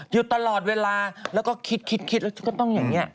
อยู่ตลอดเวลาแล้วก็คิดคิดแล้วก็ต้องอย่างนี้